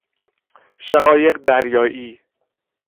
شقایق دریائی